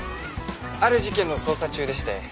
ある事件の捜査中でして。